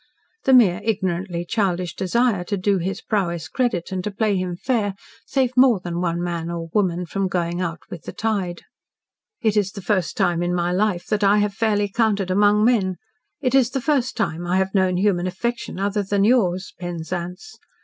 The mere ignorantly childish desire to do his prowess credit and to play him fair saved more than one man and woman from going out with the tide. "It is the first time in my life that I have fairly counted among men. It's the first time I have known human affection, other than yours, Penzance.